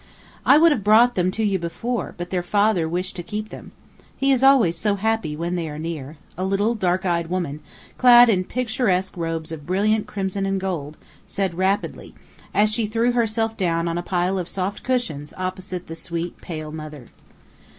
"I would have brought them to you before, but their father wished to keep them; he is always so happy when they are near," a little, dark eyed woman, clad in picturesque robes of brilliant crimson and gold, said rapidly, as she threw herself down on a pile of soft cushions opposite the sweet, pale mother.